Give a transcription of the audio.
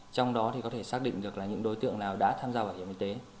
trong đó có thể xác định được những đối tượng nào đã tham gia bảo hiểm y tế